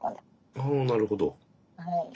ああなるほど。